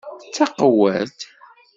Taqewwadt!